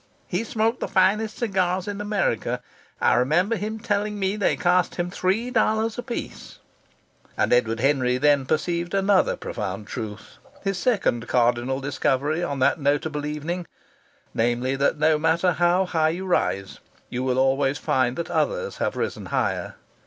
He smoked the finest cigars in America. I remember him telling me they cost him three dollars apiece." And Edward Henry then perceived another profound truth, his second cardinal discovery on that notable evening: namely, that no matter how high you rise, you will always find that others have risen higher.